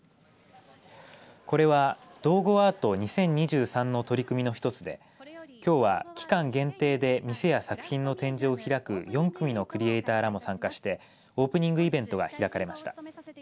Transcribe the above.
これは道後アート２０２３の取り組みの１つできょうは期間限定で店や作品の展示を開く４組のクリエイターらも参加してオープニングイベントが開かれました。